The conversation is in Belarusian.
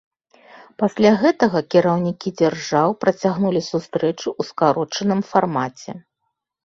Пасля гэтага кіраўнікі дзяржаў працягнулі сустрэчу ў скарочаным фармаце.